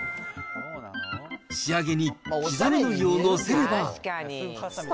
仕上げに刻みのりを載せれば。